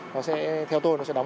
nó sẽ theo tôi nó sẽ đóng